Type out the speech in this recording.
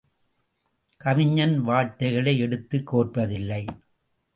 கவிஞன் வார்த்தைகளை எடுத்து கோர்ப்பதில்லை.